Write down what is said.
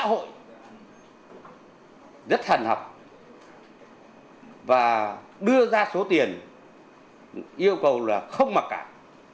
các xã hội rất thần hợp và đưa ra số tiền yêu cầu là không mặc cảm